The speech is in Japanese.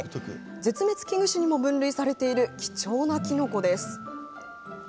絶滅危惧種にも分類されている貴重なキノコです。